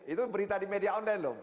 itu berita di media online loh